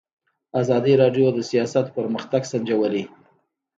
ازادي راډیو د سیاست پرمختګ سنجولی.